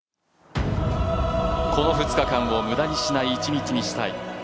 この２日間を無駄にしない一日にしたい。